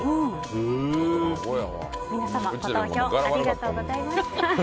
皆様、ご投票ありがとうございました。